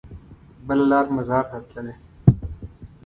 بله لار مزار ته تلله.